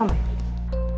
mike mau ngapain